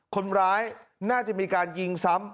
คนร้ายน่าจะมีการยิงซ้ำ